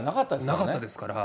なかったですから。